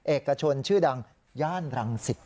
เอกชนชื่อดังย่านรังสิต